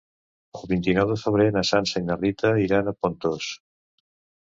El vint-i-nou de febrer na Sança i na Rita iran a Pontós.